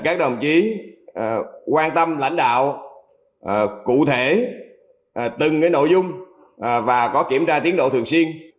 các đồng chí quan tâm lãnh đạo cụ thể từng nội dung và có kiểm tra tiến độ thường xuyên